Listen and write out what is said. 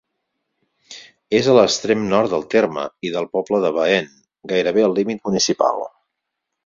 És a l'extrem nord del terme i del poble de Baén, gairebé al límit municipal.